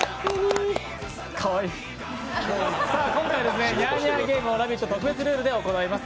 かわいい、今回は「ニャーニャーゲーム」を「ラヴィット！」特別ルールで行います。